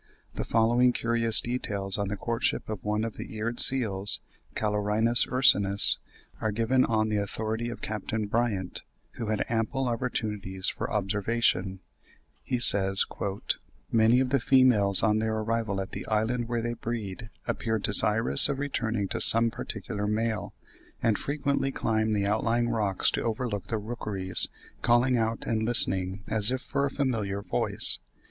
The following curious details on the courtship of one of the eared seals (Callorhinus ursinus) are given (45. Mr. J.A. Allen in 'Bull. Mus. Comp. Zoolog. of Cambridge, United States,' vol. ii. No. 1, p. 99.) on the authority of Capt. Bryant, who had ample opportunities for observation. He says, "Many of the females on their arrival at the island where they breed appear desirous of returning to some particular male, and frequently climb the outlying rocks to overlook the rookeries, calling out and listening as if for a familiar voice.